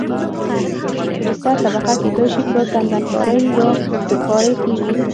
د بستر طبقه کېدای شي په کندنکارۍ یا پرکارۍ کې وي